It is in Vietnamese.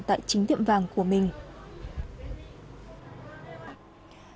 tại chính tiệm vàng của mình